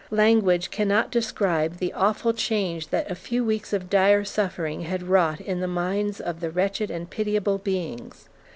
Language can not describe the awful change that a few weeks of dire suffering had wrought in the minds of the wretched and pitiable beings.